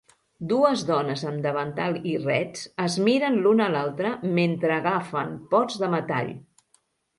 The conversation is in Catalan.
Dues dones amb davantal i rets es miren l'una a l'altra mentre agafen pots de metall.